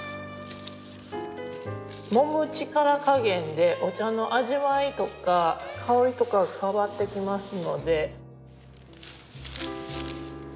もむ力加減でお茶の味わいとか香りとかが変わってきますので。